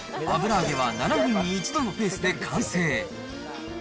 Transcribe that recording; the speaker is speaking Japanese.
油揚げは７分に１度のペースで完成。